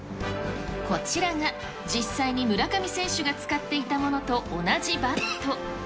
こちらが実際に村上選手が使っていたものと同じバット。